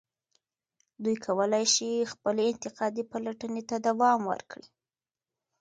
دوی کولای شي خپلې انتقادي پلټنې ته دوام ورکړي.